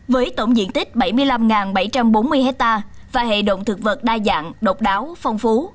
với tổng diện tích bảy mươi năm bảy trăm bốn mươi hectare và hệ động thực vật đa dạng độc đáo phong phú